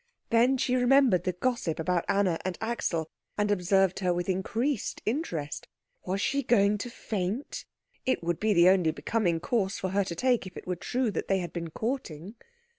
Then she remembered the gossip about Anna and Axel, and observed her with increased interest. Was she going to faint? It would be the only becoming course for her to take if it were true that there had been courting.